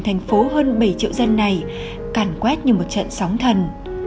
thành phố hơn bảy triệu dân này cản quét như một trận sóng thần